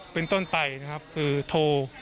เป็นต้นไปนะครับคือโทร